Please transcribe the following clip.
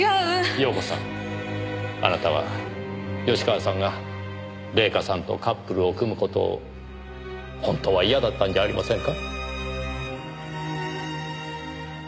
遥子さんあなたは芳川さんが礼夏さんとカップルを組む事を本当は嫌だったんじゃありませんか？